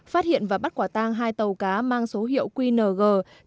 phát hiện và bắt quả tang hai tàu cá mang số hiệu qng chín mươi